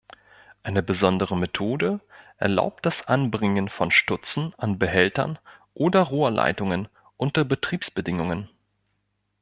Eine besondere Methode erlaubt das Anbringen von Stutzen an Behältern oder Rohrleitungen unter Betriebsbedingungen.